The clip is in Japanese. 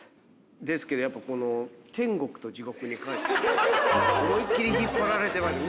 ですけどやっぱこの『天国と地獄』に関しては思いっ切り引っ張られてました。